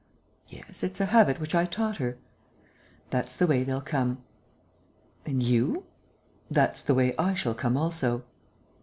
"Yes, it's a habit which I taught her." "That's the way they'll come." "And you?" "That's the way I shall come also."